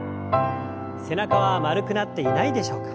背中は丸くなっていないでしょうか。